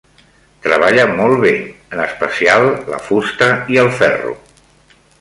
Treballa molt bé, en especial la fusta i el ferro.